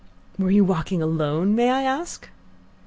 "Were you walking alone, may I ask?"